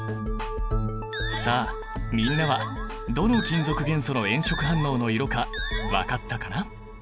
さあみんなはどの金属元素の炎色反応の色か分かったかな？